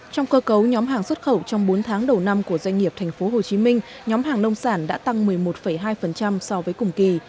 trong cơ cấu nhóm hàng xuất khẩu trong bốn tháng đầu năm của doanh nghiệp tp hcm nhóm hàng nông sản đã tăng một mươi một hai so với cùng kỳ